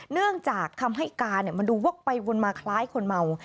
เนื่องจากคำให้การมันดูวกไปวนมาคล้ายคนเมา